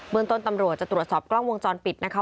เมืองต้นตำรวจจะตรวจสอบกล้องวงจรปิดนะคะ